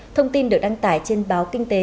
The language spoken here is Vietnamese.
thông tin được đăng tải trên báo kinh tế